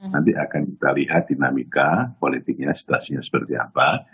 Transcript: nanti akan kita lihat dinamika politiknya situasinya seperti apa